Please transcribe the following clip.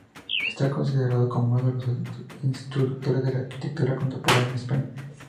Está considerado como uno de los introductores de la arquitectura contemporánea en España.